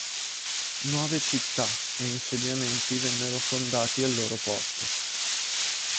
Nuove città e insediamenti vennero fondati al loro posto.